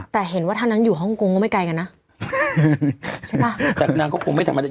แต่เห็นว่าถ้านางอยู่ฮ่องกงก็ไม่ไกลกันนะใช่ป่ะแต่นางก็คงไม่ธรรมดา